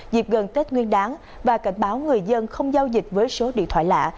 dịp gần tết nguyên đáng và cảnh báo người dân không giao dịch với số điện thoại lạ